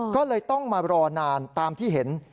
ก็เลยต้องมารอนานตามที่เห็น